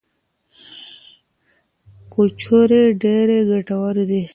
کجورې ډیرې ګټورې دي.